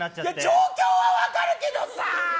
状況は分かるけどさ。